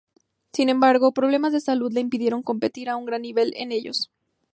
Sin embargo, problemas de salud le impidieron competir a un gran nivel en ellos.